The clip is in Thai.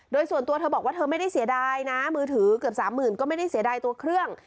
โดยส่วนตัวเธอบอกว่าเธอไม่ได้เสียดายนะมือถือเกือบสามหมื่นก็ไม่ได้เสียดายตัวเครื่อง